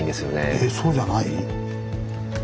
えっそうじゃない？